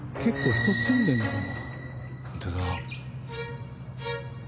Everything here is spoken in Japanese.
人住んでるのかな？